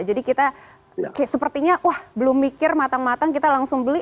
jadi kita sepertinya wah belum mikir matang matang kita langsung beli